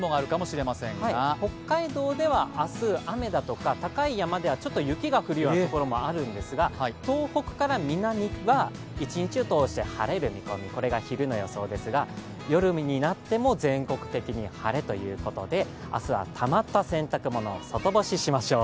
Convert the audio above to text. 北海道では明日、雨だとか高い山では雪が降るようなところもあるんですが東北から南は一日を通して晴れる見込み、これは昼の予想ですが、夜になっても全国的に晴れということで明日はたまった洗濯物を外干ししましょう。